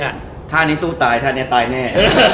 ท่านี้สู้ตายท่านี้ตายแน่